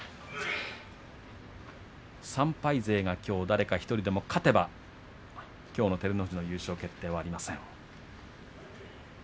３敗勢がきょう誰か１人でも勝てばきょうの照ノ富士の優勝決定はありません。